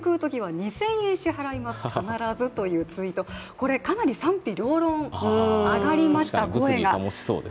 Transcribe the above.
これ、かなり賛否両論上がりました、声が。